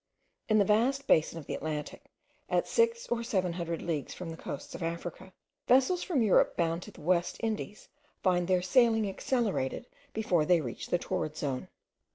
In the vast basin of the Atlantic, at six or seven hundred leagues from the coasts of Africa, vessels from Europe bound to the West Indies, find their sailing accelerated before they reach the torrid zone.